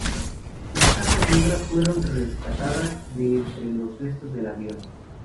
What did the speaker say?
Las cajas negras fueron rescatadas de entre los restos del avión.